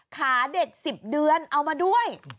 ขาเด็ก๑๐เดือนเอามาด้วย